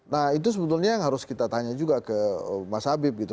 nah itu sebetulnya yang harus kita tanya juga ke mas habib gitu